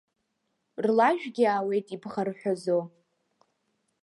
Рлажәгьы аауеит ибӷарҳәазо.